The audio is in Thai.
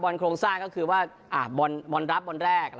โครงสร้างก็คือว่าบอลรับบอลแรก